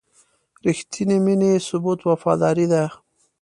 د رښتینې مینې ثبوت وفاداري ده.